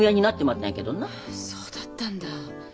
そうだったんだ。